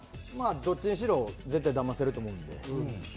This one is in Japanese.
どっちにしろ絶対だませると思うので。